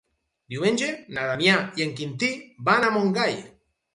Diumenge na Damià i en Quintí van a Montgai.